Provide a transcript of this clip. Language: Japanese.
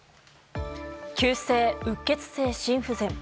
急性うっ血性心不全。